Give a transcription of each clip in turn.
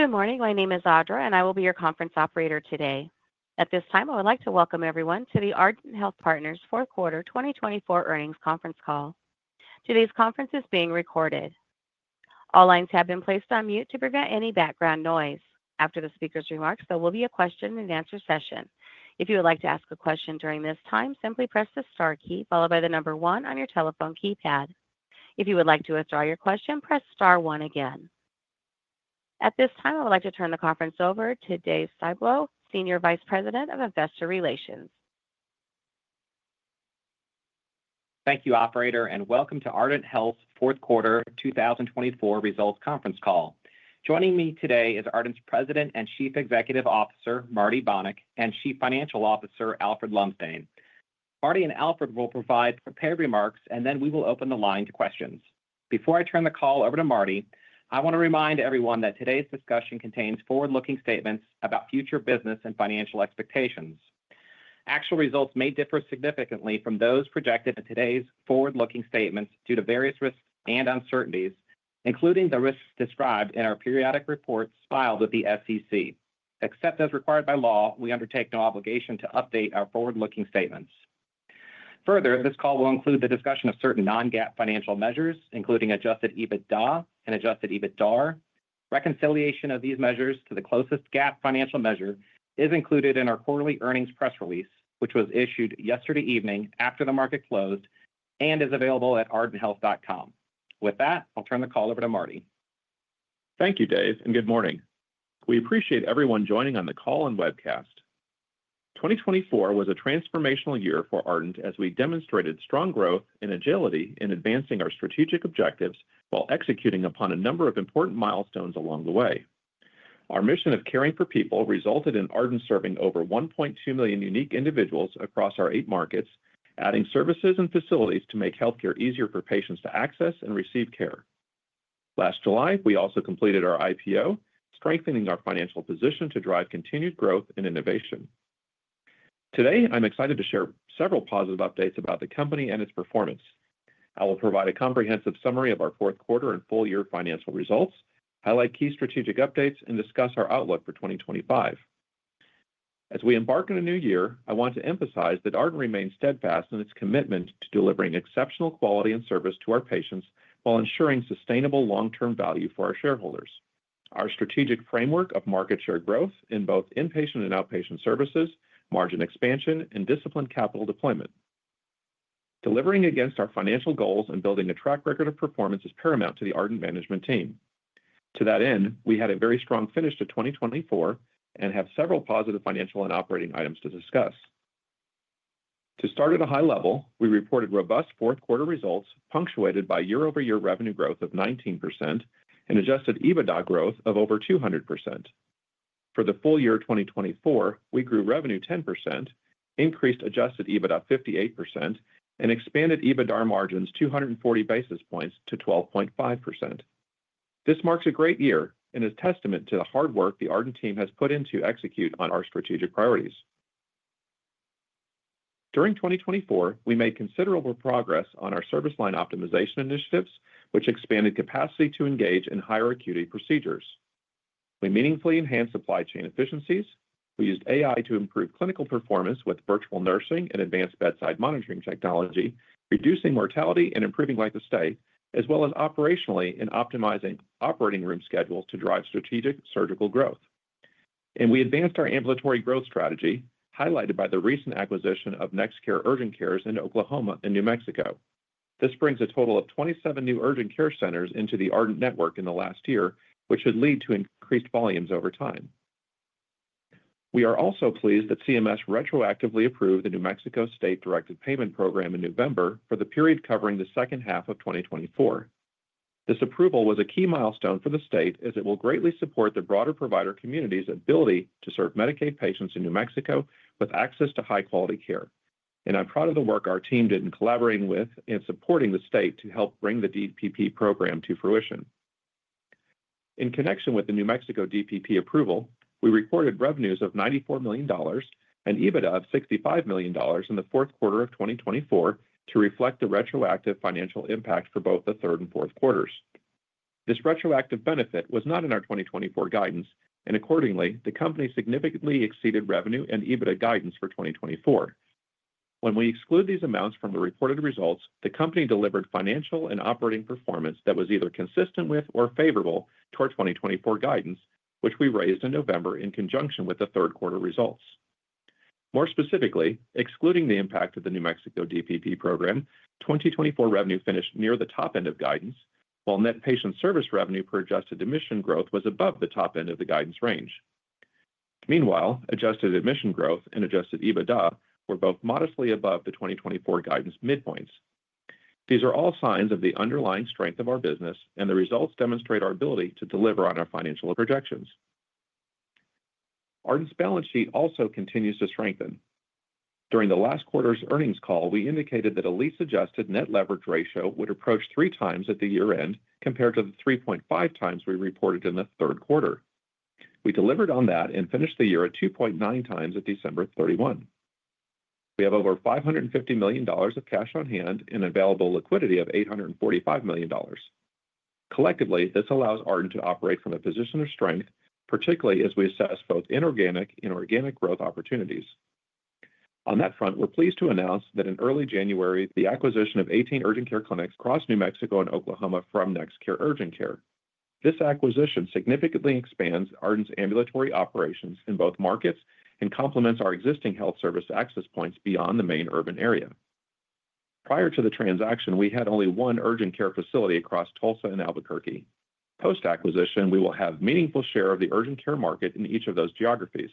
Good morning. My name is Audra, and I will be your conference operator today. At this time, I would like to welcome everyone to the Ardent Health Partners Fourth Quarter 2024 Earnings Conference Call. Today's conference is being recorded. All lines have been placed on mute to prevent any background noise. After the speaker's remarks, there will be a question-and-answer session. If you would like to ask a question during this time, simply press the star key followed by the number one on your telephone keypad. If you would like to withdraw your question, press star one again. At this time, I would like to turn the conference over to Dave Styblo, Senior Vice President of Investor Relations. Thank you, Operator, and welcome to Ardent Health Fourth Quarter 2024 Results Conference Call. Joining me today is Ardent's President and Chief Executive Officer, Marty Bonick, and Chief Financial Officer, Alfred Lumsdaine. Marty and Alfred will provide prepared remarks, and then we will open the line to questions. Before I turn the call over to Marty, I want to remind everyone that today's discussion contains forward-looking statements about future business and financial expectations. Actual results may differ significantly from those projected in today's forward-looking statements due to various risks and uncertainties, including the risks described in our periodic reports filed with the SEC. Except as required by law, we undertake no obligation to update our forward-looking statements. Further, this call will include the discussion of certain non-GAAP financial measures, including adjusted EBITDA and adjusted EBITDAR. Reconciliation of these measures to the closest GAAP financial measure is included in our quarterly earnings press release, which was issued yesterday evening after the market closed and is available at ardenthealth.com. With that, I'll turn the call over to Marty. Thank you, Dave, and good morning. We appreciate everyone joining on the call and webcast. 2024 was a transformational year for Ardent as we demonstrated strong growth and agility in advancing our strategic objectives while executing upon a number of important milestones along the way. Our mission of caring for people resulted in Ardent serving over 1.2 million unique individuals across our eight markets, adding services and facilities to make healthcare easier for patients to access and receive care. Last July, we also completed our IPO, strengthening our financial position to drive continued growth and innovation. Today, I'm excited to share several positive updates about the company and its performance. I will provide a comprehensive summary of our fourth quarter and full-year financial results, highlight key strategic updates, and discuss our outlook for 2025. As we embark on a new year, I want to emphasize that Ardent remains steadfast in its commitment to delivering exceptional quality and service to our patients while ensuring sustainable long-term value for our shareholders. Our strategic framework of market share growth in both inpatient and outpatient services, margin expansion, and disciplined capital deployment. Delivering against our financial goals and building a track record of performance is paramount to the Ardent management team. To that end, we had a very strong finish to 2024 and have several positive financial and operating items to discuss. To start at a high level, we reported robust fourth-quarter results punctuated by year-over-year revenue growth of 19% and adjusted EBITDA growth of over 200%. For the full year 2024, we grew revenue 10%, increased adjusted EBITDA 58%, and expanded EBITDA margins 240 basis points to 12.5%. This marks a great year and is a testament to the hard work the Ardent team has put in to execute on our strategic priorities. During 2024, we made considerable progress on our service line optimization initiatives, which expanded capacity to engage in higher acuity procedures. We meaningfully enhanced supply chain efficiencies. We used AI to improve clinical performance with virtual nursing and advanced bedside monitoring technology, reducing mortality and improving length of stay, as well as operationally in optimizing operating room schedules to drive strategic surgical growth, and we advanced our ambulatory growth strategy, highlighted by the recent acquisition of NextCare Urgent Cares in Oklahoma and New Mexico. This brings a total of 27 new Urgent Care centers into the Ardent network in the last year, which should lead to increased volumes over time. We are also pleased that CMS retroactively approved the New Mexico State Directed Payment Program in November for the period covering the second half of 2024. This approval was a key milestone for the state as it will greatly support the broader provider community's ability to serve Medicaid patients in New Mexico with access to high-quality care. And I'm proud of the work our team did in collaborating with and supporting the state to help bring the DPP program to fruition. In connection with the New Mexico DPP approval, we recorded revenues of $94 million and EBITDA of $65 million in the fourth quarter of 2024 to reflect the retroactive financial impact for both the third and fourth quarters. This retroactive benefit was not in our 2024 guidance, and accordingly, the company significantly exceeded revenue and EBITDA guidance for 2024. When we exclude these amounts from the reported results, the company delivered financial and operating performance that was either consistent with or favorable to our 2024 guidance, which we raised in November in conjunction with the third quarter results. More specifically, excluding the impact of the New Mexico DPP program, 2024 revenue finished near the top end of guidance, while net patient service revenue per adjusted admission growth was above the top end of the guidance range. Meanwhile, adjusted admission growth and adjusted EBITDA were both modestly above the 2024 guidance midpoints. These are all signs of the underlying strength of our business, and the results demonstrate our ability to deliver on our financial projections. Ardent's balance sheet also continues to strengthen. During the last quarter's earnings call, we indicated that at least adjusted net leverage ratio would approach three times at the year-end compared to the 3.5 times we reported in the third quarter. We delivered on that and finished the year at 2.9 times at December 31. We have over $550 million of cash on hand and available liquidity of $845 million. Collectively, this allows Ardent to operate from a position of strength, particularly as we assess both inorganic and organic growth opportunities. On that front, we're pleased to announce that in early January, the acquisition of 18 Urgent Care clinics across New Mexico and Oklahoma from NextCare Urgent Care. This acquisition significantly expands Ardent's ambulatory operations in both markets and complements our existing health service access points beyond the main urban area. Prior to the transaction, we had only one Urgent Care facility across Tulsa and Albuquerque. Post-acquisition, we will have a meaningful share of the Urgent Care market in each of those geographies.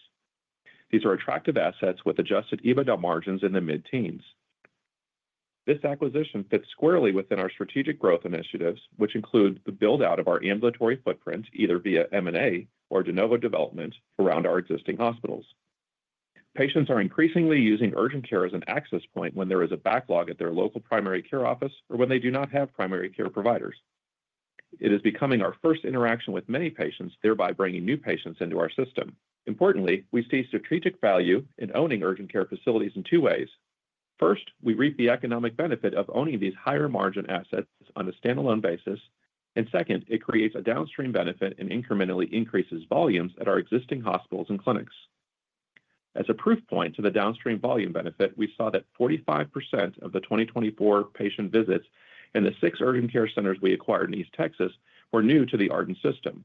These are attractive assets with adjusted EBITDA margins in the mid-teens. This acquisition fits squarely within our strategic growth initiatives, which include the build-out of our ambulatory footprint either via M&A or de novo development around our existing hospitals. Patients are increasingly using Urgent Care as an access point when there is a backlog at their local primary care office or when they do not have primary care providers. It is becoming our first interaction with many patients, thereby bringing new patients into our system. Importantly, we see strategic value in owning Urgent Care facilities in two ways. First, we reap the economic benefit of owning these higher-margin assets on a standalone basis. And second, it creates a downstream benefit and incrementally increases volumes at our existing hospitals and clinics. As a proof point to the downstream volume benefit, we saw that 45% of the 2024 patient visits in the six Urgent Care centers we acquired in East Texas were new to the Ardent system.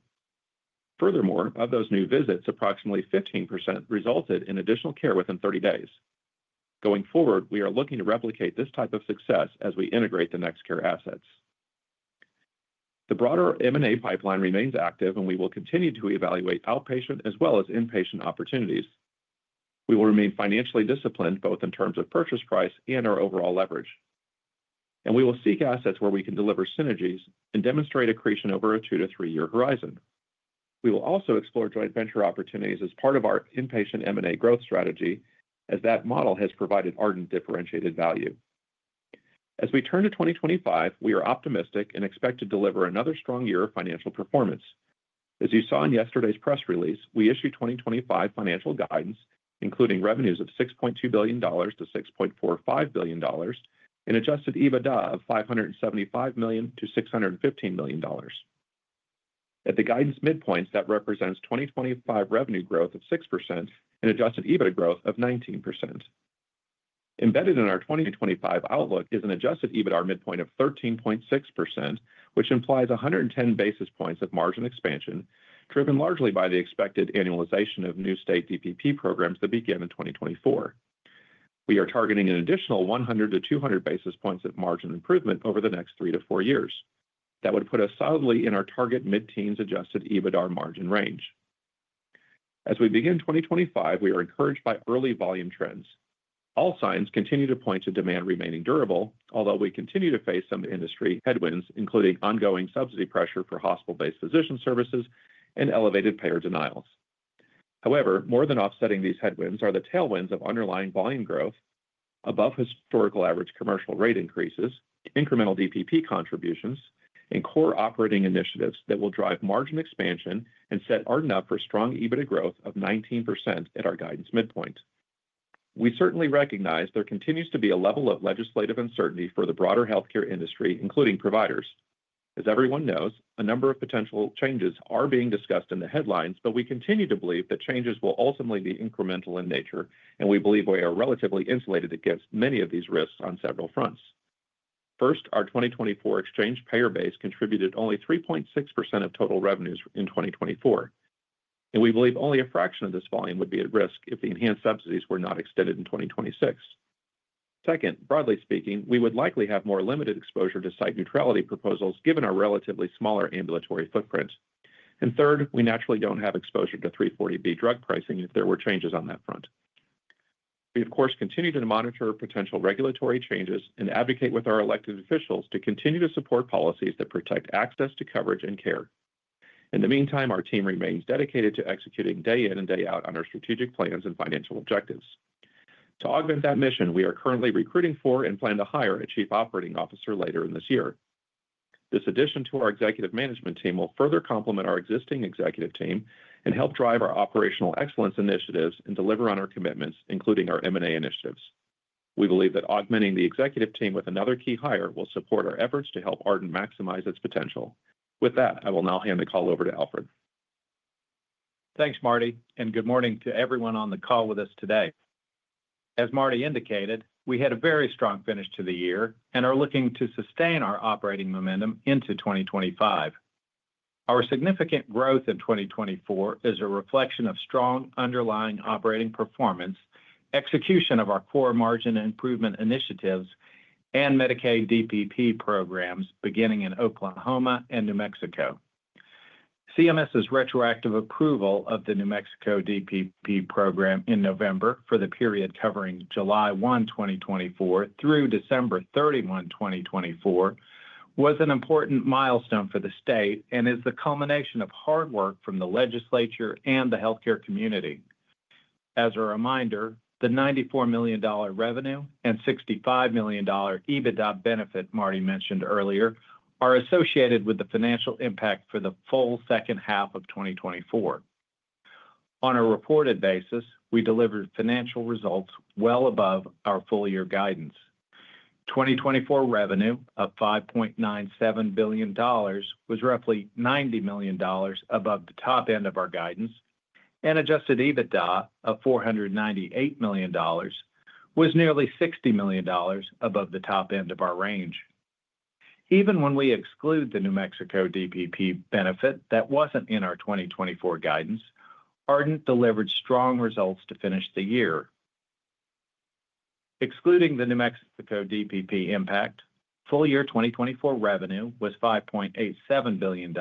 Furthermore, of those new visits, approximately 15% resulted in additional care within 30 days. Going forward, we are looking to replicate this type of success as we integrate the NextCare assets. The broader M&A pipeline remains active, and we will continue to evaluate outpatient as well as inpatient opportunities. We will remain financially disciplined both in terms of purchase price and our overall leverage, and we will seek assets where we can deliver synergies and demonstrate accretion over a two-to-three-year horizon. We will also explore joint venture opportunities as part of our inpatient M&A growth strategy, as that model has provided Ardent differentiated value. As we turn to 2025, we are optimistic and expect to deliver another strong year of financial performance. As you saw in yesterday's press release, we issued 2025 financial guidance, including revenues of $6.2 billion-$6.45 billion and adjusted EBITDA of $575 million-$615 million. At the guidance midpoints, that represents 2025 revenue growth of 6% and adjusted EBITDA growth of 19%. Embedded in our 2025 outlook is an adjusted EBITDA midpoint of 13.6%, which implies 110 basis points of margin expansion, driven largely by the expected annualization of new state DPP programs that begin in 2024. We are targeting an additional 100-200 basis points of margin improvement over the next three to four years. That would put us solidly in our target mid-teens adjusted EBITDA margin range. As we begin 2025, we are encouraged by early volume trends. All signs continue to point to demand remaining durable, although we continue to face some industry headwinds, including ongoing subsidy pressure for hospital-based physician services and elevated payer denials. However, more than offsetting these headwinds are the tailwinds of underlying volume growth, above-historical average commercial rate increases, incremental DPP contributions, and core operating initiatives that will drive margin expansion and set Ardent up for strong EBITDA growth of 19% at our guidance midpoint. We certainly recognize there continues to be a level of legislative uncertainty for the broader healthcare industry, including providers. As everyone knows, a number of potential changes are being discussed in the headlines, but we continue to believe that changes will ultimately be incremental in nature, and we believe we are relatively insulated against many of these risks on several fronts. First, our 2024 exchange payer base contributed only 3.6% of total revenues in 2024, and we believe only a fraction of this volume would be at risk if the enhanced subsidies were not extended in 2026. Second, broadly speaking, we would likely have more limited exposure to site neutrality proposals given our relatively smaller ambulatory footprint. And third, we naturally don't have exposure to 340B Drug Pricing if there were changes on that front. We, of course, continue to monitor potential regulatory changes and advocate with our elected officials to continue to support policies that protect access to coverage and care. In the meantime, our team remains dedicated to executing day in and day out on our strategic plans and financial objectives. To augment that mission, we are currently recruiting for and plan to hire a chief operating officer later in this year. This addition to our executive management team will further complement our existing executive team and help drive our operational excellence initiatives and deliver on our commitments, including our M&A initiatives. We believe that augmenting the executive team with another key hire will support our efforts to help Ardent maximize its potential. With that, I will now hand the call over to Alfred. Thanks, Marty, and good morning to everyone on the call with us today. As Marty indicated, we had a very strong finish to the year and are looking to sustain our operating momentum into 2025. Our significant growth in 2024 is a reflection of strong underlying operating performance, execution of our core margin improvement initiatives, and Medicaid DPP programs beginning in Oklahoma and New Mexico. CMS's retroactive approval of the New Mexico DPP program in November for the period covering July 1, 2024, through December 31, 2024, was an important milestone for the state and is the culmination of hard work from the legislature and the healthcare community. As a reminder, the $94 million revenue and $65 million EBITDA benefit Marty mentioned earlier are associated with the financial impact for the full second half of 2024. On a reported basis, we delivered financial results well above our full-year guidance. 2024 revenue of $5.97 billion was roughly $90 million above the top end of our guidance, and adjusted EBITDA of $498 million was nearly $60 million above the top end of our range. Even when we exclude the New Mexico DPP benefit that wasn't in our 2024 guidance, Ardent delivered strong results to finish the year. Excluding the New Mexico DPP impact, full-year 2024 revenue was $5.87 billion,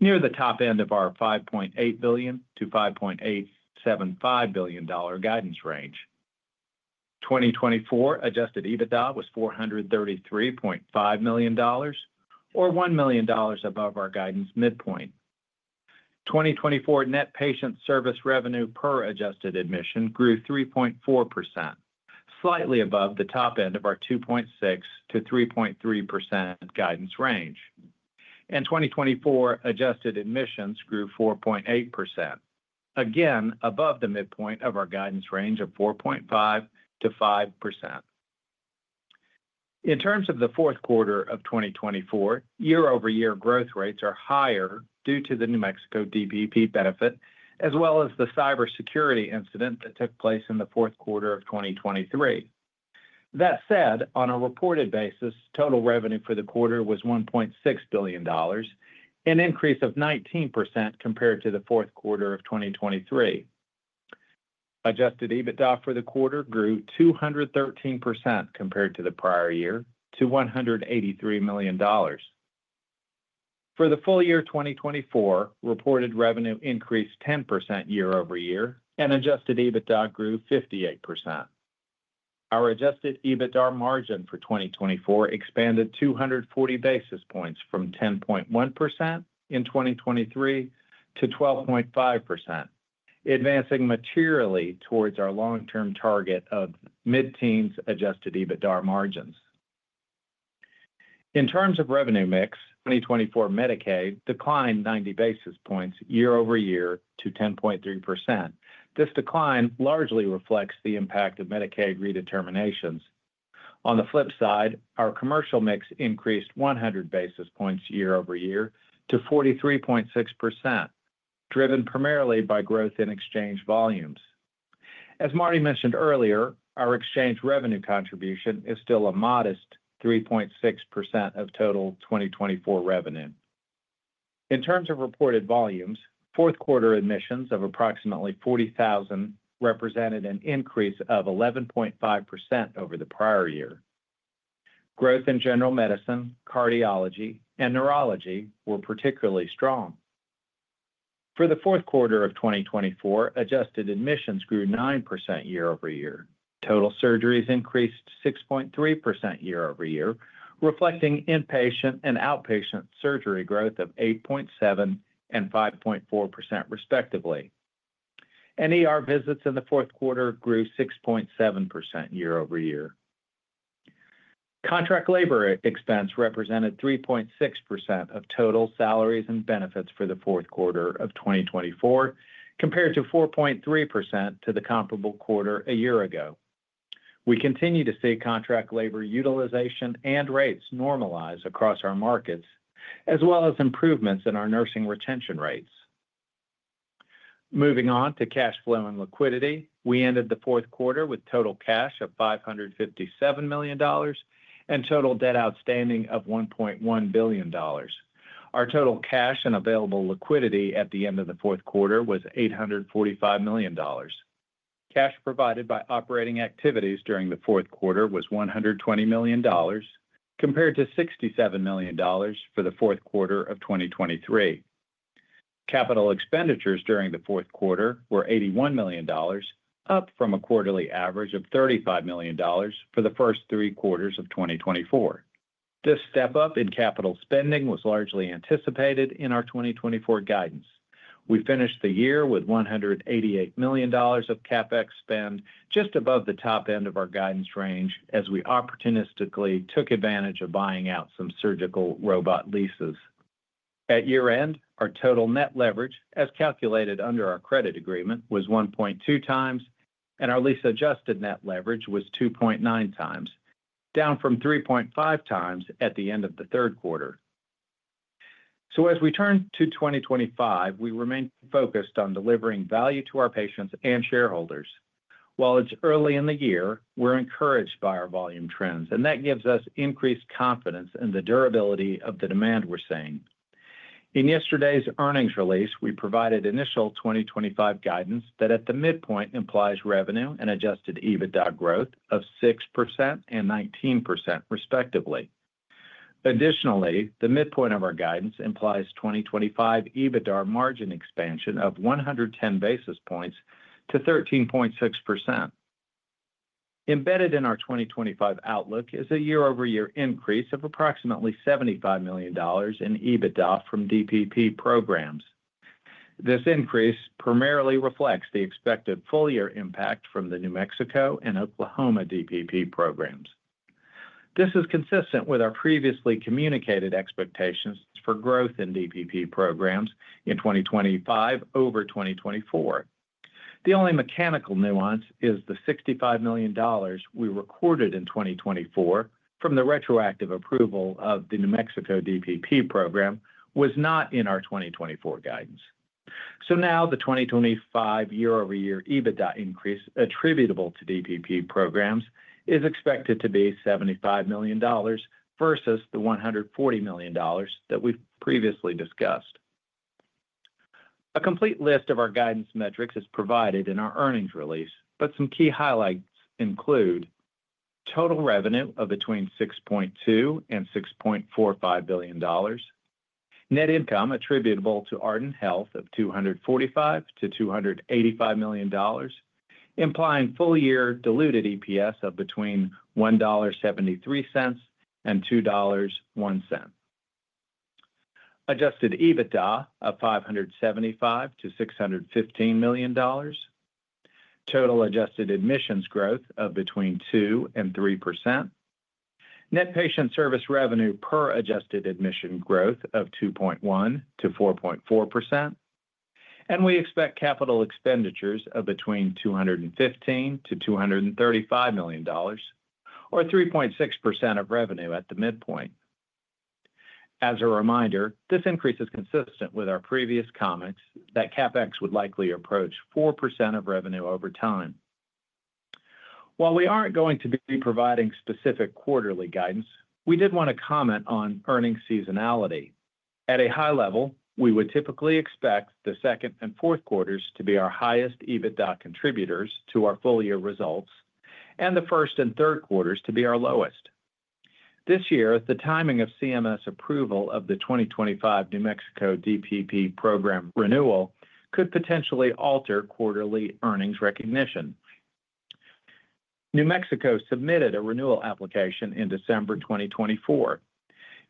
near the top end of our $5.8 billion-$5.875 billion guidance range. 2024 adjusted EBITDA was $433.5 million, or $1 million above our guidance midpoint. 2024 net patient service revenue per adjusted admission grew 3.4%, slightly above the top end of our 2.6%-3.3% guidance range. And 2024 adjusted admissions grew 4.8%, again above the midpoint of our guidance range of 4.5%-5%. In terms of the fourth quarter of 2024, year-over-year growth rates are higher due to the New Mexico DPP benefit, as well as the cybersecurity incident that took place in the fourth quarter of 2023. That said, on a reported basis, total revenue for the quarter was $1.6 billion, an increase of 19% compared to the fourth quarter of 2023. adjusted EBITDA for the quarter grew 213% compared to the prior year to $183 million. For the full-year 2024, reported revenue increased 10% year-over-year, and adjusted EBITDA grew 58%. Our adjusted EBITDA margin for 2024 expanded 240 basis points from 10.1% in 2023 to 12.5%, advancing materially towards our long-term target of mid-teens adjusted EBITDA margins. In terms of revenue mix, 2024 Medicaid declined 90 basis points year-over-year to 10.3%. This decline largely reflects the impact of Medicaid redeterminations. On the flip side, our commercial mix increased 100 basis points year-over-year to 43.6%, driven primarily by growth in exchange volumes. As Marty mentioned earlier, our exchange revenue contribution is still a modest 3.6% of total 2024 revenue. In terms of reported volumes, fourth quarter admissions of approximately 40,000 represented an increase of 11.5% over the prior year. Growth in general medicine, cardiology, and neurology were particularly strong. For the fourth quarter of 2024, adjusted admissions grew 9% year-over-year. Total surgeries increased 6.3% year-over-year, reflecting inpatient and outpatient surgery growth of 8.7% and 5.4%, respectively. Visits in the fourth quarter grew 6.7% year-over-year. Contract labor expense represented 3.6% of total salaries and benefits for the fourth quarter of 2024, compared to 4.3% to the comparable quarter a year ago. We continue to see contract labor utilization and rates normalize across our markets, as well as improvements in our nursing retention rates. Moving on to cash flow and liquidity, we ended the fourth quarter with total cash of $557 million and total debt outstanding of $1.1 billion. Our total cash and available liquidity at the end of the fourth quarter was $845 million. Cash provided by operating activities during the fourth quarter was $120 million, compared to $67 million for the fourth quarter of 2023. Capital expenditures during the fourth quarter were $81 million, up from a quarterly average of $35 million for the first three quarters of 2024. This step up in capital spending was largely anticipated in our 2024 guidance. We finished the year with $188 million of CapEx spend, just above the top end of our guidance range, as we opportunistically took advantage of buying out some surgical robot leases. At year-end, our total net leverage, as calculated under our credit agreement, was 1.2x, and our lease-adjusted net leverage was 2.9x, down from 3.5x at the end of the third quarter. So, as we turn to 2025, we remain focused on delivering value to our patients and shareholders. While it's early in the year, we're encouraged by our volume trends, and that gives us increased confidence in the durability of the demand we're seeing. In yesterday's earnings release, we provided initial 2025 guidance that, at the midpoint, implies revenue and adjusted EBITDA growth of 6% and 19%, respectively. Additionally, the midpoint of our guidance implies 2025 EBITDA margin expansion of 110 basis points to 13.6%. Embedded in our 2025 outlook is a year-over-year increase of approximately $75 million in EBITDA from DPP programs. This increase primarily reflects the expected full-year impact from the New Mexico and Oklahoma DPP programs. This is consistent with our previously communicated expectations for growth in DPP programs in 2025 over 2024. The only mechanical nuance is the $65 million we recorded in 2024 from the retroactive approval of the New Mexico DPP program was not in our 2024 guidance. So now, the 2025 year-over-year EBITDA increase attributable to DPP programs is expected to be $75 million versus the $140 million that we've previously discussed. A complete list of our guidance metrics is provided in our earnings release, but some key highlights include total revenue of between $6.2-$6.45 billion, net income attributable to Ardent Health of $245-$285 million, implying full-year diluted EPS of between $1.73-$2.01, adjusted EBITDA of $575-$615 million, total adjusted admissions growth of between 2%-3%, net patient service revenue per adjusted admission growth of 2.1%-4.4%, and we expect capital expenditures of between $215-$235 million, or 3.6% of revenue at the midpoint. As a reminder, this increase is consistent with our previous comments that CapEx would likely approach 4% of revenue over time. While we aren't going to be providing specific quarterly guidance, we did want to comment on earnings seasonality. At a high level, we would typically expect the second and fourth quarters to be our highest EBITDA contributors to our full-year results, and the first and third quarters to be our lowest. This year, the timing of CMS approval of the 2025 New Mexico DPP program renewal could potentially alter quarterly earnings recognition. New Mexico submitted a renewal application in December 2024.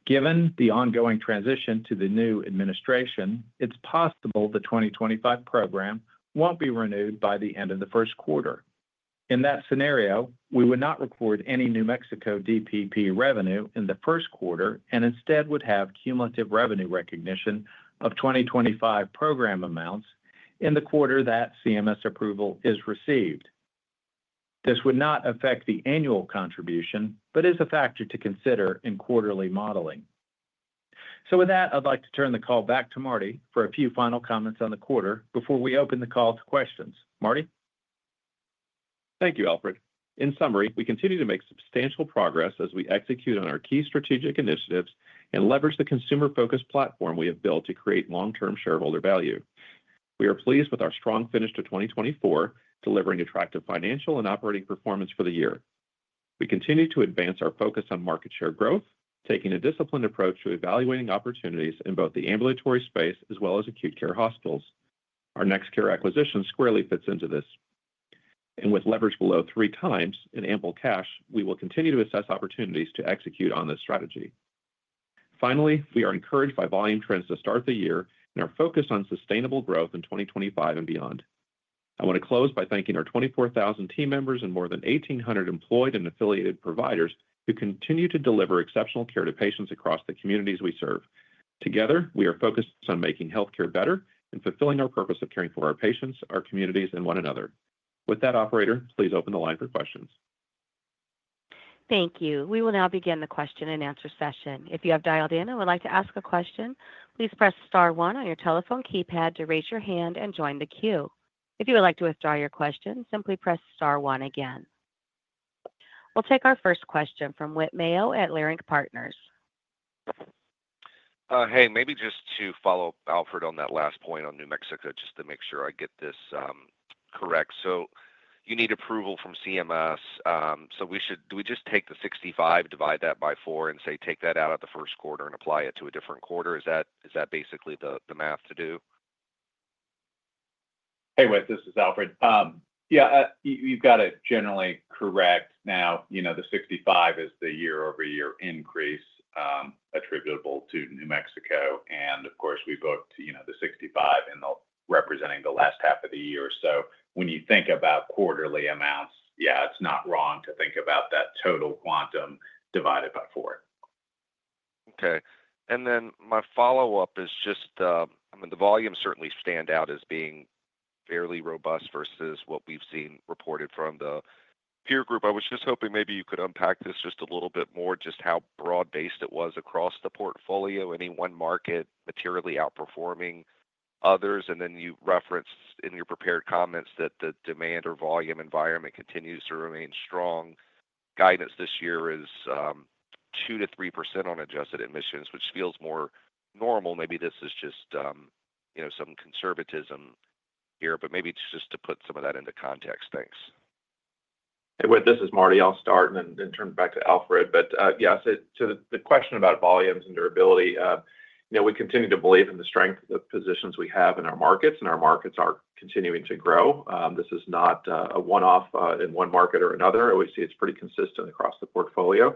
Given the ongoing transition to the new administration, it's possible the 2025 program won't be renewed by the end of the first quarter. In that scenario, we would not record any New Mexico DPP revenue in the first quarter and instead would have cumulative revenue recognition of 2025 program amounts in the quarter that CMS approval is received. This would not affect the annual contribution, but is a factor to consider in quarterly modeling. So, with that, I'd like to turn the call back to Marty for a few final comments on the quarter before we open the call to questions. Marty? Thank you, Alfred. In summary, we continue to make substantial progress as we execute on our key strategic initiatives and leverage the consumer-focused platform we have built to create long-term shareholder value. We are pleased with our strong finish to 2024, delivering attractive financial and operating performance for the year. We continue to advance our focus on market share growth, taking a disciplined approach to evaluating opportunities in both the ambulatory space as well as acute care hospitals. Our NextCare acquisition squarely fits into this, and with leverage below three times and ample cash, we will continue to assess opportunities to execute on this strategy. Finally, we are encouraged by volume trends to start the year and are focused on sustainable growth in 2025 and beyond. I want to close by thanking our 24,000 team members and more than 1,800 employed and affiliated providers who continue to deliver exceptional care to patients across the communities we serve. Together, we are focused on making healthcare better and fulfilling our purpose of caring for our patients, our communities, and one another. With that, Operator, please open the line for questions. Thank you. We will now begin the question and answer session. If you have dialed in and would like to ask a question, please press star one on your telephone keypad to raise your hand and join the queue. If you would like to withdraw your question, simply press star one again. We'll take our first question from Whit Mayo at Leerink Partners. Hey, maybe just to follow-up, Alfred, on that last point on New Mexico, just to make sure I get this correct. So, you need approval from CMS. So, we should. Do we just take the 65, divide that by four, and say, take that out of the first quarter and apply it to a different quarter? Is that basically the math to do? Hey, Whit, this is Alfred. Yeah, you've got it generally correct now. The 65 is the year-over-year increase attributable to New Mexico. And, of course, we booked the 65 in there representing the last half of the year. So, when you think about quarterly amounts, yeah, it's not wrong to think about that total quantum divided by four. Okay. And then my follow-up is just, I mean, the volumes certainly stand out as being fairly robust versus what we've seen reported from the peer group. I was just hoping maybe you could unpack this just a little bit more, just how broad-based it was across the portfolio. Any one market materially outperforming others? And then you referenced in your prepared comments that the demand or volume environment continues to remain strong. Guidance this year is 2%-3% on adjusted admissions, which feels more normal. Maybe this is just some conservatism here, but maybe just to put some of that into context, thanks. Hey, Whit, this is Marty. I'll start and then turn back to Alfred. But yes, to the question about volumes and durability, we continue to believe in the strength of the positions we have in our markets, and our markets are continuing to grow. This is not a one-off in one market or another. We see it's pretty consistent across the portfolio.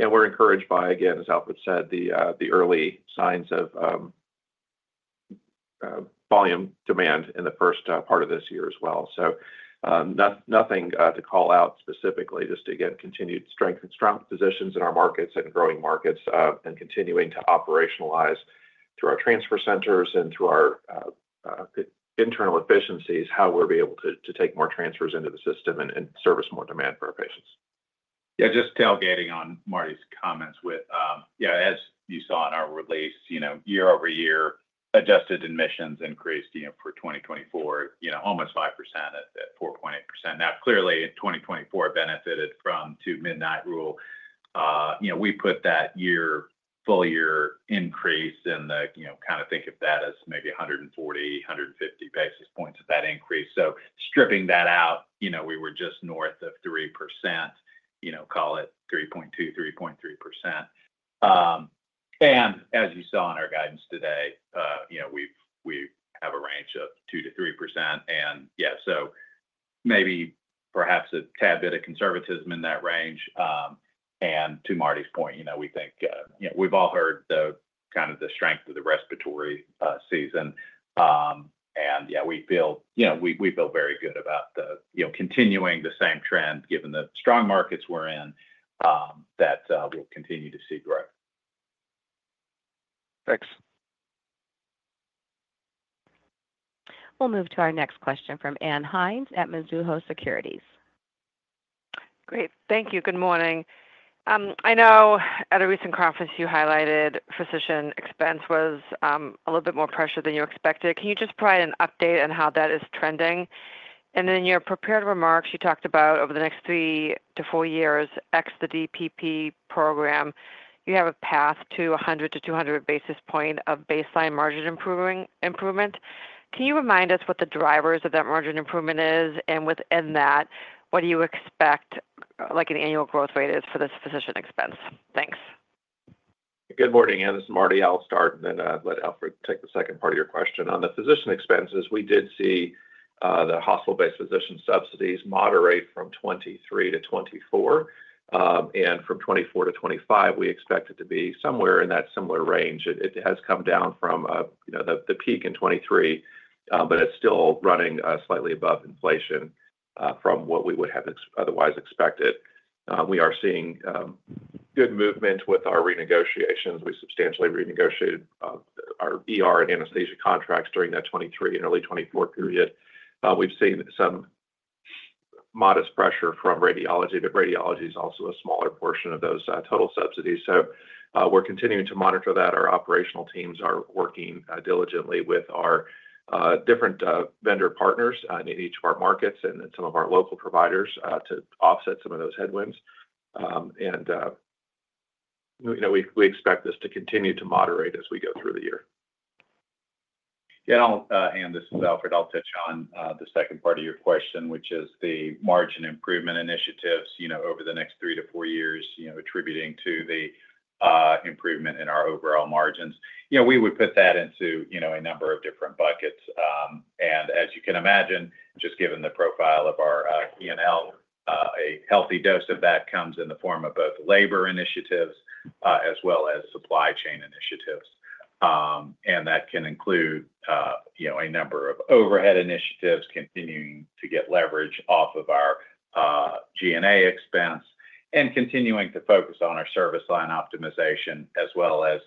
And we're encouraged by, again, as Alfred said, the early signs of volume demand in the first part of this year as well. So, nothing to call out specifically, just, again, continued strength and strong positions in our markets and growing markets and continuing to operationalize through our transfer centers and through our internal efficiencies how we're able to take more transfers into the system and service more demand for our patients. Yeah, just tailgating on Marty's comments, Whit. Yeah, as you saw in our release, year-over-year, adjusted admissions increased for 2024 almost 5% at 4.8%. Now, clearly, 2024 benefited from the Two-Midnight Rule. We put that full-year increase in the kind of think of that as maybe 140, 150 basis points of that increase. So, stripping that out, we were just north of 3%, call it 3.2, 3.3%. And as you saw in our guidance today, we have a range of 2% to 3%. And yeah, so maybe perhaps a tad bit of conservatism in that range. And to Marty's point, we think we've all heard the kind of strength of the respiratory season. And yeah, we feel very good about continuing the same trend, given the strong markets we're in, that we'll continue to see growth. Thanks. We'll move to our next question from Ann Hynes at Mizuho Securities. Great. Thank you. Good morning. I know at a recent conference you highlighted physician expense was a little bit more pressure than you expected. Can you just provide an update on how that is trending? And in your prepared remarks, you talked about over the next three to four years ex the DPP program, you have a path to 100 to 200 basis points of baseline margin improvement. Can you remind us what the drivers of that margin improvement is? And within that, what do you expect an annual growth rate is for this physician expense? Thanks. Good morning. This is Marty. I'll start and then let Alfred take the second part of your question. On the physician expenses, we did see the hospital-based physician subsidies moderate from 2023 to 2024, and from 2024 to 2025, we expect it to be somewhere in that similar range. It has come down from the peak in 2023, but it's still running slightly above inflation from what we would have otherwise expected. We are seeing good movement with our renegotiations. We substantially renegotiated our ER and anesthesia contracts during that 2023 and early 2024 period. We've seen some modest pressure from radiology, but radiology is also a smaller portion of those total subsidies. So, we're continuing to monitor that. Our operational teams are working diligently with our different vendor partners in each of our markets and some of our local providers to offset some of those headwinds. We expect this to continue to moderate as we go through the year. Yeah, and this is Alfred. I'll touch on the second part of your question, which is the margin improvement initiatives over the next three to four years, attributing to the improvement in our overall margins. We would put that into a number of different buckets. And as you can imagine, just given the profile of our P&L, a healthy dose of that comes in the form of both labor initiatives as well as supply chain initiatives. And that can include a number of overhead initiatives continuing to get leverage off of our G&A expense and continuing to focus on our service line optimization as well as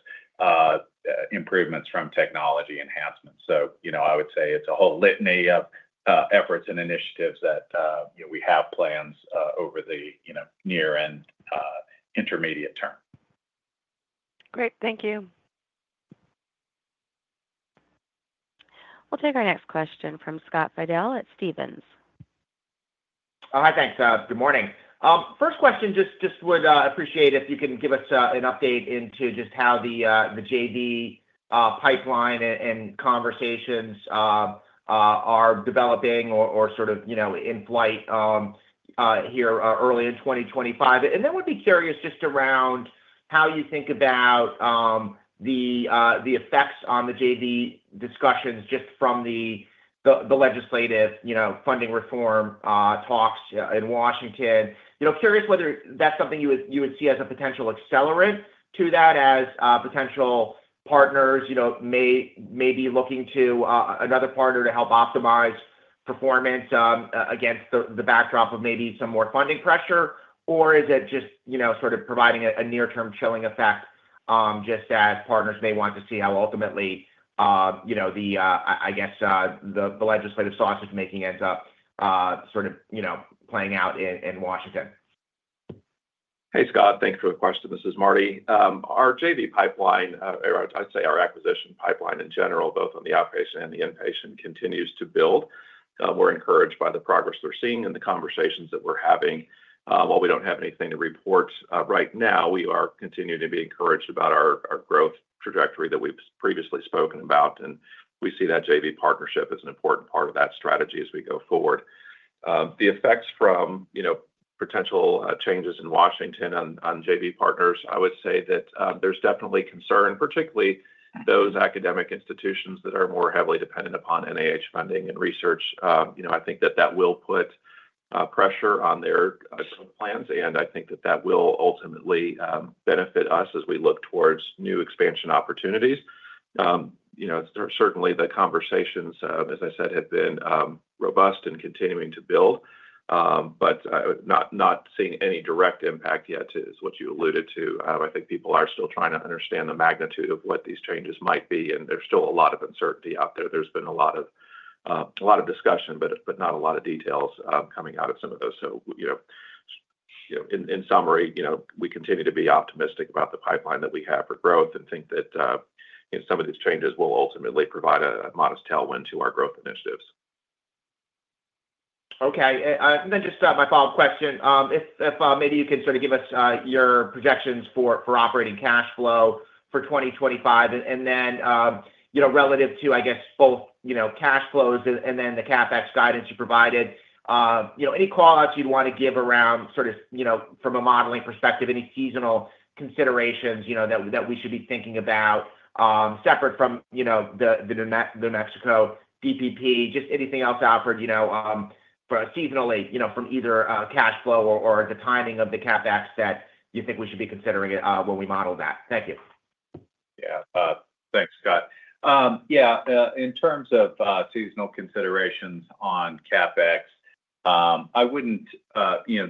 improvements from technology enhancements. So, I would say it's a whole litany of efforts and initiatives that we have plans over the near and intermediate term. Great. Thank you. We'll take our next question from Scott Fidel at Stephens. Hi, thanks. Good morning. First question, just would appreciate if you can give us an update into just how the JV pipeline and conversations are developing or sort of in flight here early in 2025, and then we'd be curious just around how you think about the effects on the JV discussions just from the legislative funding reform talks in Washington, curious whether that's something you would see as a potential accelerant to that, as potential partners may be looking to another partner to help optimize performance against the backdrop of maybe some more funding pressure, or is it just sort of providing a near-term chilling effect just as partners may want to see how ultimately the, I guess, the legislative sausage-making ends up sort of playing out in Washington? Hey, Scott. Thanks for the question. This is Marty. Our JV pipeline, or I'd say our acquisition pipeline in general, both on the outpatient and the inpatient, continues to build. We're encouraged by the progress we're seeing and the conversations that we're having. While we don't have anything to report right now, we are continuing to be encouraged about our growth trajectory that we've previously spoken about, and we see that JV partnership as an important part of that strategy as we go forward. The effects from potential changes in Washington on JV partners, I would say that there's definitely concern, particularly those academic institutions that are more heavily dependent upon NIH funding and research. I think that that will put pressure on their growth plans, and I think that that will ultimately benefit us as we look towards new expansion opportunities. Certainly, the conversations, as I said, have been robust and continuing to build, but not seeing any direct impact yet is what you alluded to. I think people are still trying to understand the magnitude of what these changes might be. And there's still a lot of uncertainty out there. There's been a lot of discussion, but not a lot of details coming out of some of those. So, in summary, we continue to be optimistic about the pipeline that we have for growth and think that some of these changes will ultimately provide a modest tailwind to our growth initiatives. Okay. And then just my follow-up question, if maybe you can sort of give us your projections for operating cash flow for 2025. And then relative to, I guess, both cash flows and then the CapEx guidance you provided, any callouts you'd want to give around sort of from a modeling perspective, any seasonal considerations that we should be thinking about separate from the New Mexico DPP? Just anything else, Alfred, seasonally from either cash flow or the timing of the CapEx that you think we should be considering when we model that? Thank you. Yeah. Thanks, Scott. Yeah, in terms of seasonal considerations on CapEx, I wouldn't.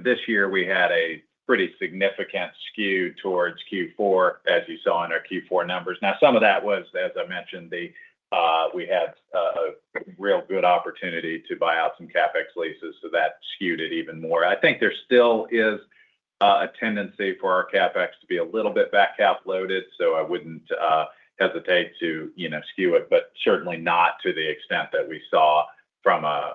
This year, we had a pretty significant skew towards Q4, as you saw in our Q4 numbers. Now, some of that was, as I mentioned, we had a real good opportunity to buy out some CapEx leases, so that skewed it even more. I think there still is a tendency for our CapEx to be a little bit back half loaded, so I wouldn't hesitate to skew it, but certainly not to the extent that we saw from a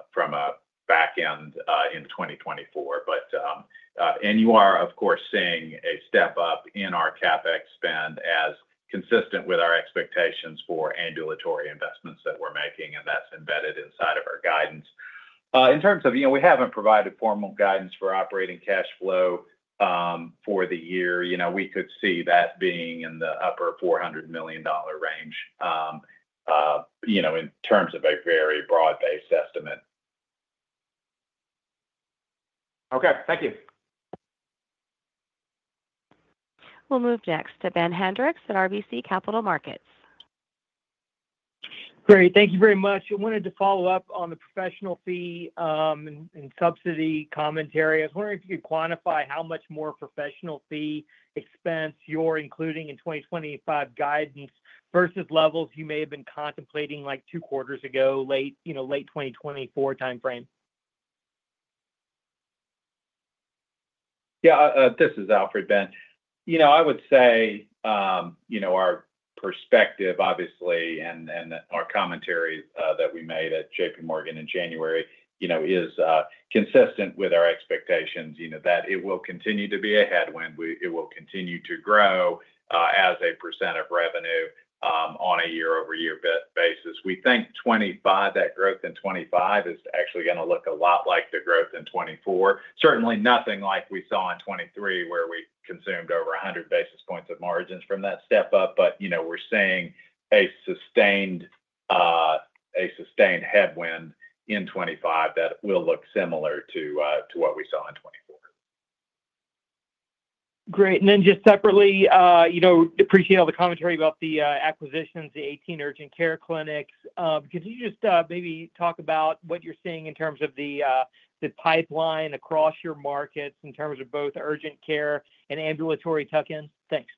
back end in 2024. But, and you are, of course, seeing a step up in our CapEx spend as consistent with our expectations for ambulatory investments that we're making, and that's embedded inside of our guidance. In terms of we haven't provided formal guidance for operating cash flow for the year, we could see that being in the upper $400 million range in terms of a very broad-based estimate. Okay. Thank you. We'll move next to Ben Hendricks at RBC Capital Markets. Great. Thank you very much. I wanted to follow-up on the professional fee and subsidy commentary. I was wondering if you could quantify how much more professional fee expense you're including in 2025 guidance versus levels you may have been contemplating like two quarters ago, late 2024 timeframe? Yeah. This is Alfred, Ben. I would say our perspective, obviously, and our commentary that we made at JPMorgan in January is consistent with our expectations that it will continue to be a headwind. It will continue to grow as a percent of revenue on a year-over-year basis. We think that growth in 2025 is actually going to look a lot like the growth in 2024. Certainly, nothing like we saw in 2023 where we consumed over 100 basis points of margins from that step up. But we're seeing a sustained headwind in 2025 that will look similar to what we saw in 2024. Great, and then just separately, appreciate all the commentary about the acquisitions, the 18 Urgent Care clinics. Could you just maybe talk about what you're seeing in terms of the pipeline across your markets in terms of both Urgent Care and ambulatory tuck-ins? Thanks.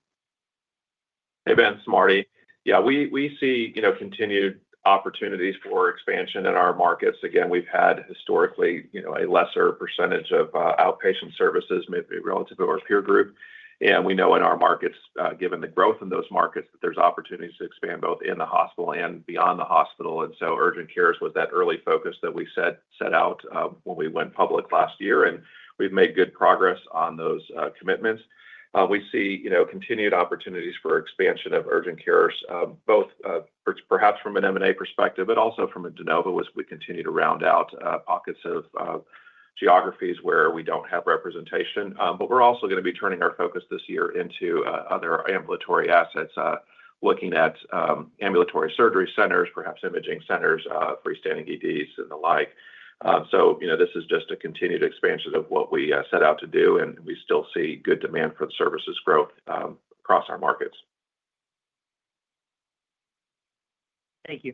Hey, Ben, this is Marty. Yeah, we see continued opportunities for expansion in our markets. Again, we've had historically a lesser percentage of outpatient services, maybe relative to our peer group. We know in our markets, given the growth in those markets, that there's opportunities to expand both in the hospital and beyond the hospital. Urgent Care was that early focus that we set out when we went public last year. We've made good progress on those commitments. We see continued opportunities for expansion of Urgent Cares, both perhaps from an M&A perspective, but also from a de novo as we continue to round out pockets of geographies where we don't have representation. We're also going to be turning our focus this year into other ambulatory assets, looking at ambulatory surgery centers, perhaps imaging centers, freestanding EDs, and the like. This is just a continued expansion of what we set out to do. We still see good demand for the services growth across our markets. Thank you.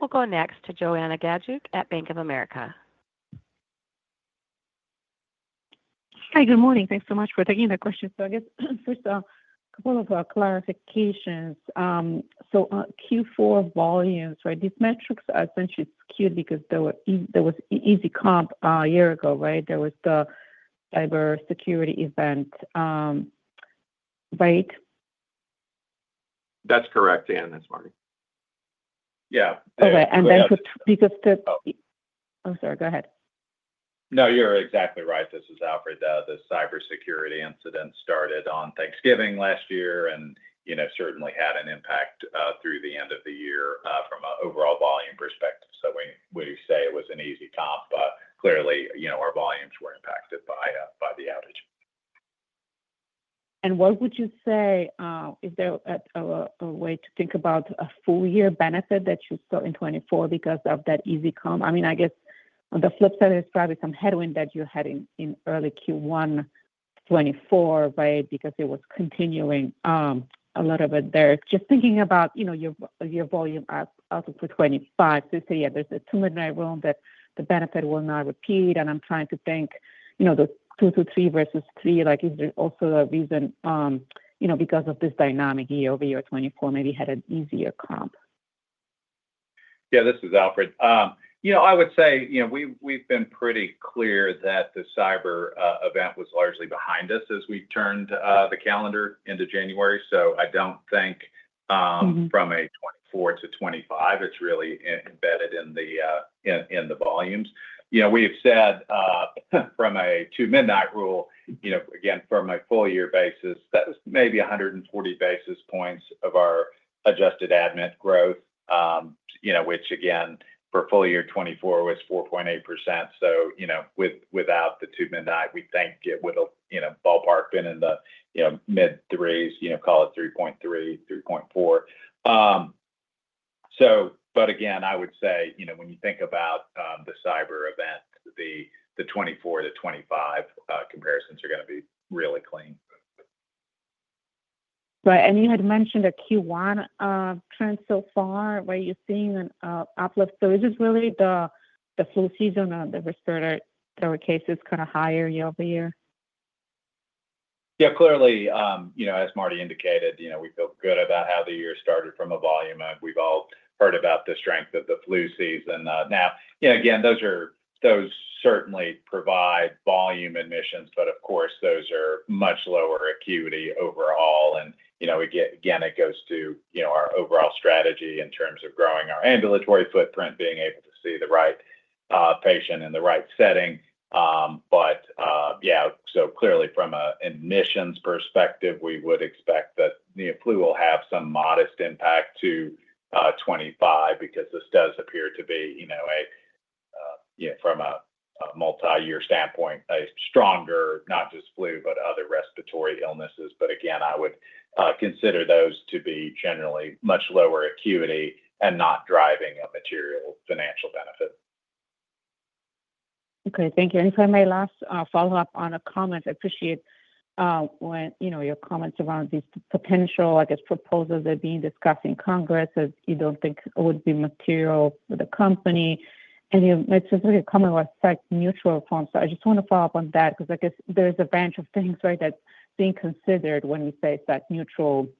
We'll go next to Joanna Gajuk at Bank of America. Hi, good morning. Thanks so much for taking the question. So I guess first, a couple of clarifications. So Q4 volumes, right, these metrics are essentially skewed because there was easy comp a year ago, right? There was the cybersecurity event, right? That's correct, Ann. That's Marty. Yeah. Okay. And then because the. I'm sorry. Go ahead. No, you're exactly right. This is Alfred. The cybersecurity incident started on Thanksgiving last year and certainly had an impact through the end of the year from an overall volume perspective. So we say it was an easy comp, but clearly, our volumes were impacted by the outage. What would you say, is there a way to think about a full-year benefit that you saw in 2024 because of that easy comp? I mean, I guess on the flip side, there's probably some headwind that you had in early Q1 2024, right, because it was continuing a little bit there. Just thinking about your volume out of the 2025, so you say, yeah, there's a tumultuous room that the benefit will not repeat. I'm trying to think the two to three versus three, is there also a reason because of this dynamic year over year 2024, maybe had an easier comp? Yeah, this is Alfred. I would say we've been pretty clear that the cyber event was largely behind us as we turned the calendar into January. So I don't think from a 2024 to 2025, it's really embedded in the volumes. We have said from a Two-Midnight Rule, again, from a full-year basis, that was maybe 140 basis points of our adjusted admission growth, which, again, for full-year 2024 was 4.8%. So without the Two-Midnight Rule, we think it would have ballpark been in the mid-threes, call it 3.3, 3.4. But again, I would say when you think about the cyber event, the 2024 to 2025 comparisons are going to be really clean. Right. And you had mentioned a Q1 trend so far. Were you seeing an uplift? So is it really the full season or the respiratory case is kind of higher year over year? Yeah, clearly, as Marty indicated, we feel good about how the year started from a volume. We've all heard about the strength of the flu season. Now, again, those certainly provide volume admissions, but of course, those are much lower acuity overall. And again, it goes to our overall strategy in terms of growing our ambulatory footprint, being able to see the right patient in the right setting. But yeah, so clearly, from an admissions perspective, we would expect that flu will have some modest impact to 2025 because this does appear to be, from a multi-year standpoint, a stronger, not just flu, but other respiratory illnesses. But again, I would consider those to be generally much lower acuity and not driving a material financial benefit. Okay. Thank you. And if I may last follow-up on a comment, I appreciate your comments around these potential, I guess, proposals that are being discussed in Congress as you don't think would be material for the company. And you made specific comment about site neutrality. So I just want to follow-up on that because I guess there's a bunch of things, right, that's being considered when we say site neutrality.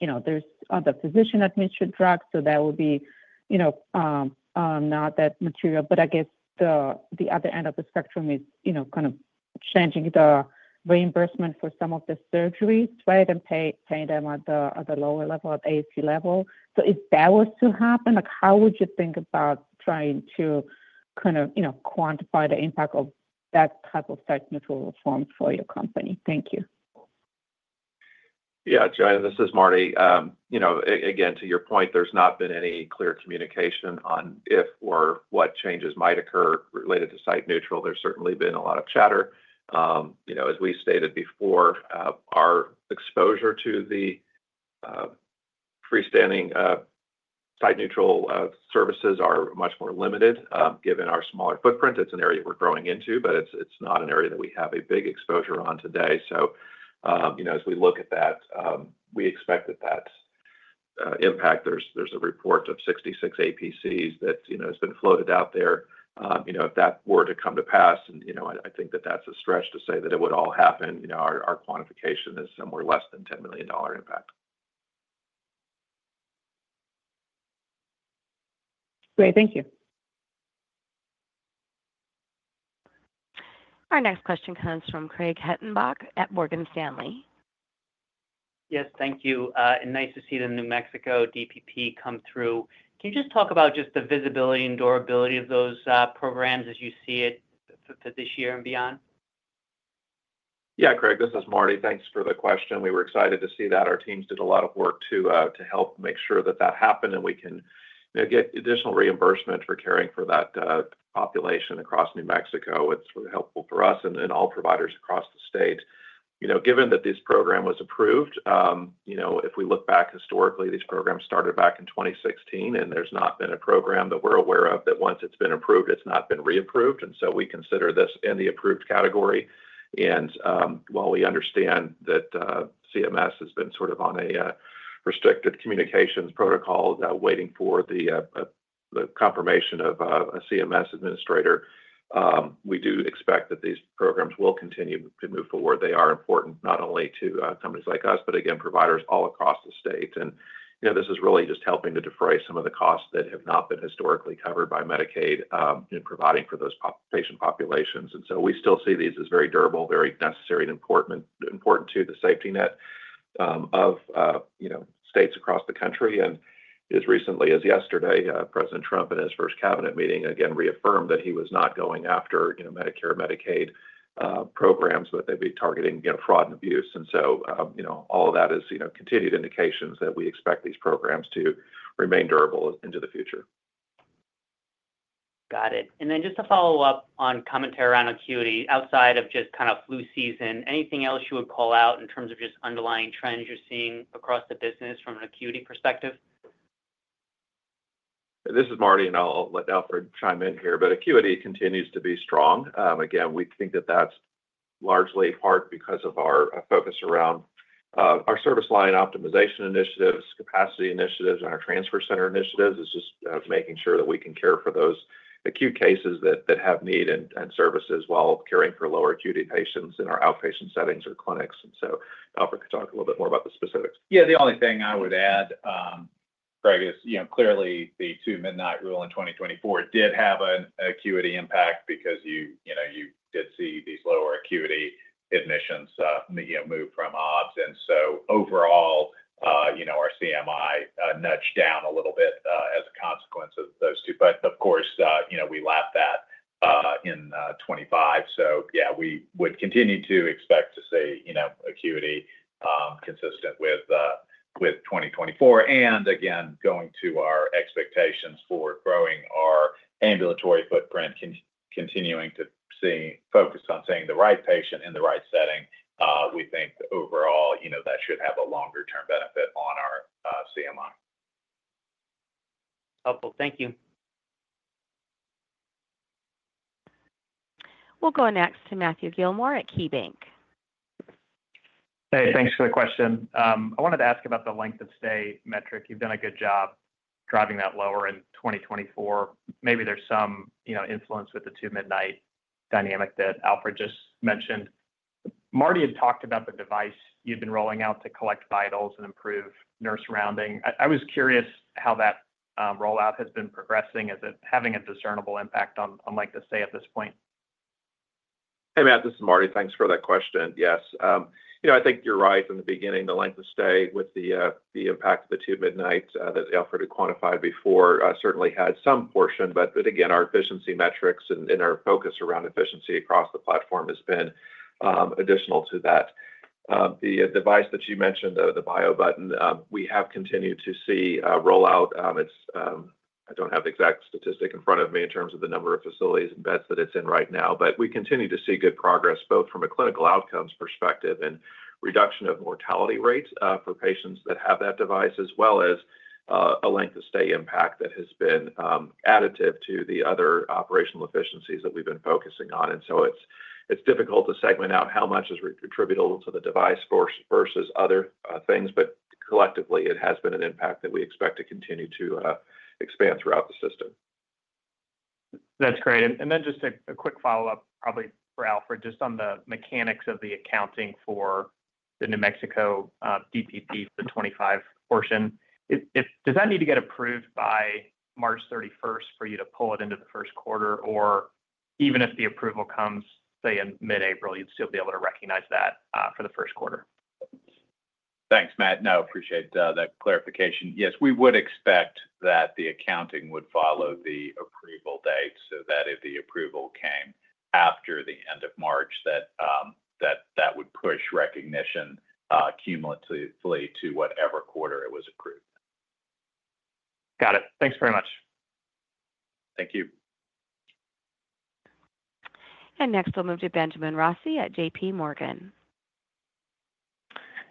There's other physician-administered drugs, so that would be not that material. But I guess the other end of the spectrum is kind of changing the reimbursement for some of the surgeries, right, and paying them at the lower level, at the APC level. So if that was to happen, how would you think about trying to kind of quantify the impact of that type of site neutrality reform for your company? Thank you. Yeah, Joanna, this is Marty. Again, to your point, there's not been any clear communication on if or what changes might occur related to site neutral. There's certainly been a lot of chatter. As we stated before, our exposure to the freestanding site neutral services are much more limited given our smaller footprint. It's an area we're growing into, but it's not an area that we have a big exposure on today. So as we look at that, we expect that that impact. There's a report of 66 APCs that has been floated out there. If that were to come to pass, and I think that that's a stretch to say that it would all happen, our quantification is somewhere less than $10 million impact. Great. Thank you. Our next question comes from Craig Hettenbach at Morgan Stanley. Yes, thank you, and nice to see the New Mexico DPP come through. Can you just talk about just the visibility and durability of those programs as you see it for this year and beyond? Yeah, Craig, this is Marty. Thanks for the question. We were excited to see that. Our teams did a lot of work to help make sure that that happened, and we can get additional reimbursement for caring for that population across New Mexico. It's really helpful for us and all providers across the state. Given that this program was approved, if we look back historically, these programs started back in 2016, and there's not been a program that we're aware of that once it's been approved, it's not been reapproved. And so we consider this in the approved category. And while we understand that CMS has been sort of on a restricted communications protocol waiting for the confirmation of a CMS administrator, we do expect that these programs will continue to move forward. They are important not only to companies like us, but again, providers all across the state. And this is really just helping to defray some of the costs that have not been historically covered by Medicaid in providing for those patient populations. And so we still see these as very durable, very necessary, and important to the safety net of states across the country. And as recently as yesterday, President Trump, in his first cabinet meeting, again, reaffirmed that he was not going after Medicare and Medicaid programs that they'd be targeting fraud and abuse. And so all of that is continued indications that we expect these programs to remain durable into the future. Got it. And then just to follow-up on commentary around acuity outside of just kind of flu season, anything else you would call out in terms of just underlying trends you're seeing across the business from an acuity perspective? This is Marty, and I'll let Alfred chime in here. Acuity continues to be strong. Again, we think that that's largely in part because of our focus around our service line optimization initiatives, capacity initiatives, and our transfer center initiatives. It's just making sure that we can care for those acute cases that have need and services while caring for lower acuity patients in our outpatient settings or clinics. Alfred could talk a little bit more about the specifics. Yeah, the only thing I would add, Craig, is clearly the Two-Midnight Rule in 2024 did have an acuity impact because you did see these lower acuity admissions move from inpatients. Overall, our CMI nudged down a little bit as a consequence of those two. Of course, we lapped that in 2025. So yeah, we would continue to expect to see acuity consistent with 2024. And again, going to our expectations for growing our ambulatory footprint, continuing to focus on seeing the right patient in the right setting, we think overall that should have a longer-term benefit on our CMI. Helpful. Thank you. We'll go next to Matthew Gilmore at KeyBanc. Hey, thanks for the question. I wanted to ask about the length of stay metric. You've done a good job driving that lower in 2024. Maybe there's some influence with the Two-Midnight dynamic that Alfred just mentioned. Marty had talked about the device you've been rolling out to collect vitals and improve nurse rounding. I was curious how that rollout has been progressing. Is it having a discernible impact on length of stay at this point? Hey, Matt, this is Marty. Thanks for that question. Yes. I think you're right in the beginning. The length of stay with the impact of the Two-Midnight that Alfred had quantified before certainly had some portion. But again, our efficiency metrics and our focus around efficiency across the platform has been additional to that. The device that you mentioned, the BioButton, we have continued to see rollout. I don't have the exact statistic in front of me in terms of the number of facilities and beds that it's in right now. But we continue to see good progress both from a clinical outcomes perspective and reduction of mortality rates for patients that have that device, as well as a length of stay impact that has been additive to the other operational efficiencies that we've been focusing on. And so it's difficult to segment out how much is attributable to the device versus other things. But collectively, it has been an impact that we expect to continue to expand throughout the system. That's great. And then just a quick follow-up, probably for Alfred, just on the mechanics of the accounting for the New Mexico DPP for the 2025 portion. Does that need to get approved by March 31st for you to pull it into the first quarter? Or even if the approval comes, say, in mid-April, you'd still be able to recognize that for the first quarter? Thanks, Matt. No, appreciate that clarification. Yes, we would expect that the accounting would follow the approval date so that if the approval came after the end of March, that that would push recognition cumulatively to whatever quarter it was approved. Got it. Thanks very much. Thank you. Next, we'll move to Benjamin Rossi at JPMorgan.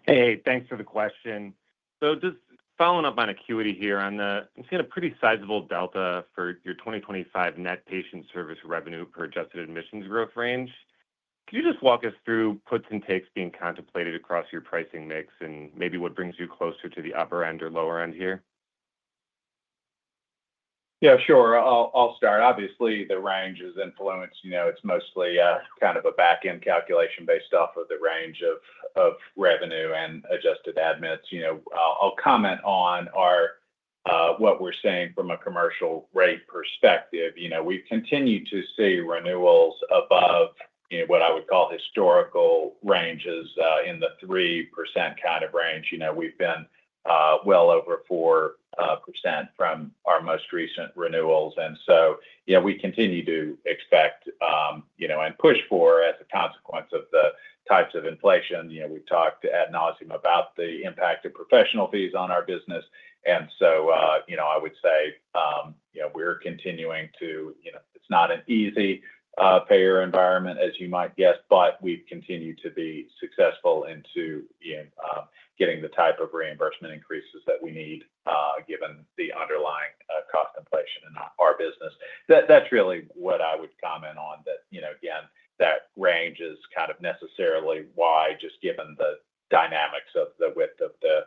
Hey, thanks for the question. So just following up on acuity here, I'm seeing a pretty sizable delta for your 2025 net patient service revenue per adjusted admissions growth range. Can you just walk us through puts and takes being contemplated across your pricing mix and maybe what brings you closer to the upper end or lower end here? Yeah, sure. I'll start. Obviously, the range is influenced. It's mostly kind of a back-end calculation based off of the range of revenue and adjusted admits. I'll comment on what we're seeing from a commercial rate perspective. We've continued to see renewals above what I would call historical ranges in the 3% kind of range. We've been well over 4% from our most recent renewals. And so we continue to expect and push for, as a consequence of the types of inflation, we've talked ad nauseam about the impact of professional fees on our business. And so I would say we're continuing to. It's not an easy payer environment, as you might guess, but we've continued to be successful in getting the type of reimbursement increases that we need given the underlying cost inflation in our business. That's really what I would comment on, that again, that range is kind of necessarily why, just given the dynamics of the width of the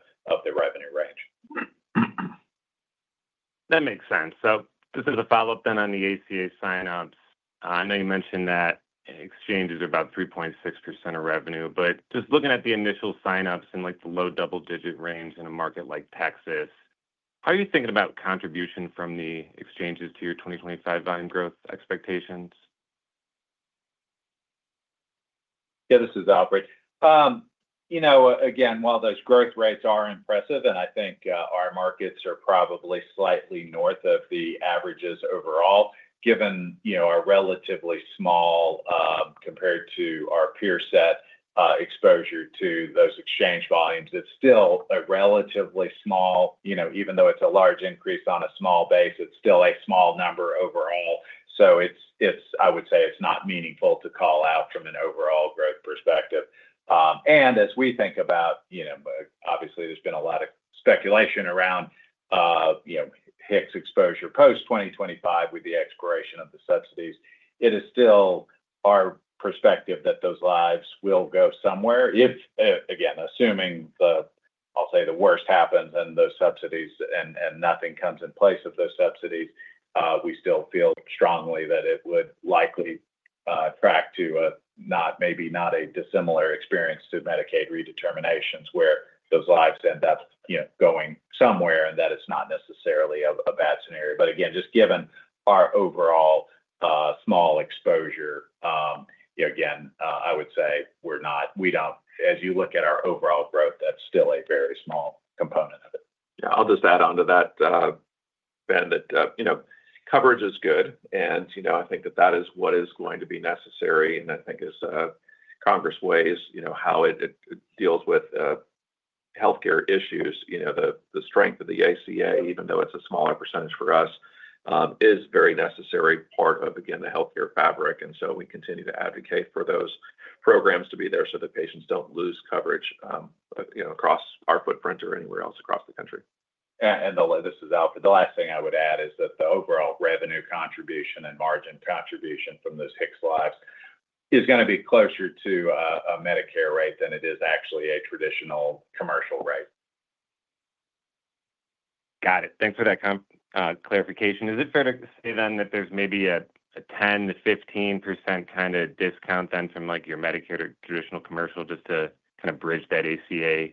revenue range. That makes sense. So just as a follow-up then on the ACA sign-ups, I know you mentioned that exchanges are about 3.6% of revenue. But just looking at the initial sign-ups in the low double-digit range in a market like Texas, how are you thinking about contribution from the exchanges to your 2025 volume growth expectations? Yeah, this is Alfred. Again, while those growth rates are impressive, and I think our markets are probably slightly north of the averages overall, given our relatively small, compared to our peer set, exposure to those exchange volumes, it's still a relatively small, even though it's a large increase on a small base, it's still a small number overall. So I would say it's not meaningful to call out from an overall growth perspective, and as we think about, obviously, there's been a lot of speculation around HIX exposure post-2025 with the expiration of the subsidies. It is still our perspective that those lives will go somewhere. Again, assuming the, I'll say, worst happens and nothing comes in place of those subsidies, we still feel strongly that it would likely track to maybe not a dissimilar experience to Medicaid redeterminations where those lives end up going somewhere and that it's not necessarily a bad scenario, but again, just given our overall small exposure, again, I would say we're not, as you look at our overall growth, that's still a very small component of it. Yeah, I'll just add on to that, Ben, that coverage is good, and I think that that is what is going to be necessary, and I think as Congress weighs how it deals with healthcare issues, the strength of the ACA, even though it's a smaller percentage for us, is a very necessary part of, again, the healthcare fabric. And so we continue to advocate for those programs to be there so that patients don't lose coverage across our footprint or anywhere else across the country. And this is Alfred. The last thing I would add is that the overall revenue contribution and margin contribution from those HIX lives is going to be closer to a Medicare rate than it is actually a traditional commercial rate. Got it. Thanks for that clarification. Is it fair to say then that there's maybe a 10%-15% kind of discount then from your Medicare to traditional commercial just to kind of bridge that ACA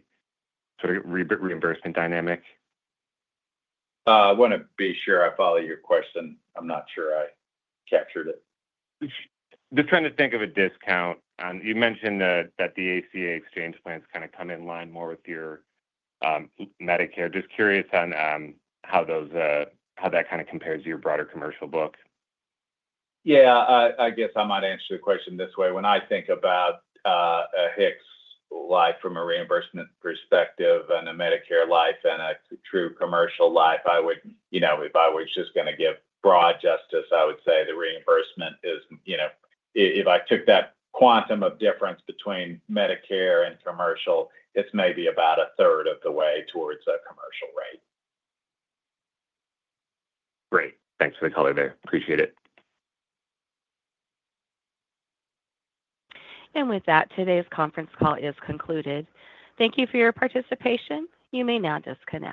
sort of reimbursement dynamic? I want to be sure I follow your question. I'm not sure I captured it. Just trying to think of a discount. You mentioned that the ACA exchange plans kind of come in line more with your Medicare. Just curious on how that kind of compares to your broader commercial book? Yeah, I guess I might answer the question this way. When I think about a HIX life from a reimbursement perspective and a Medicare life and a true commercial life, if I was just going to give broad strokes, I would say the reimbursement is, if I took that quantum of difference between Medicare and commercial, it's maybe about a third of the way towards a commercial rate. Great. Thanks, for the color. I appreciate it. With that, today's conference call is concluded. Thank you for your participation. You may now disconnect.